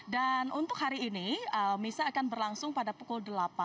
dan untuk hari ini mesa akan berlangsung pada pukul delapan